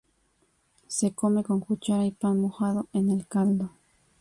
Se come con cuchara y pan mojado en el caldo.